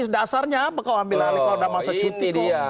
dasarnya apa kalau ambil alih kalau udah masa cuti